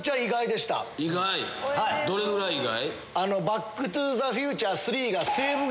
どれぐらい意外？